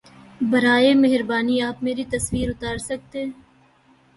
براہ مہربانی آپ میری تصویر اتار سکتے